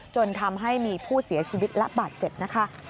จนทำให้มีผู้เสียชีวิตและบาดเจ็บนะคะ